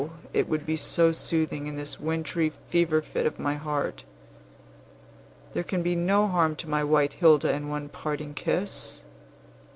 it would be so soothing in this wintry fever fit of my heart. There can be no harm to my white Hilda in one parting kiss.